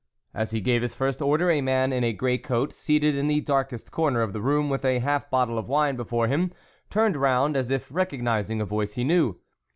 As he gave his first order, a man in a grey coat, seated in the darkest corner of the room with a half bottle of wine before him, turned round, as if recognising a voice he knew.